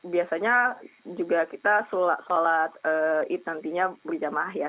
biasanya juga kita sholat it nantinya berjamah ya